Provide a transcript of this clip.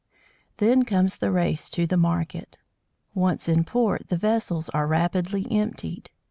Then comes the race to the market. Once in port, the vessels are rapidly emptied.